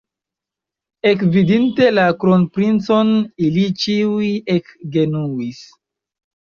Ekvidinte la kronprincon, ili ĉiuj ekgenuis.